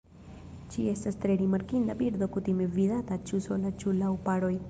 Ĝi estas tre rimarkinda birdo kutime vidata ĉu sola ĉu laŭ paroj.